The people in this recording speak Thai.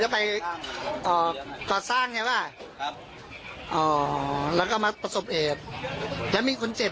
จะไปอ๋อวัดสร้างไงว่ะครับอ๋อแล้วก็มาประสบเอกยังมีคนเจ็บ